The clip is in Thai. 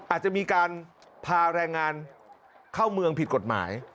อาจจะมีการพาแรงงานเข้าเมืองผิดกฎหมาย